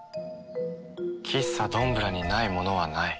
喫茶どんぶらにないものはない。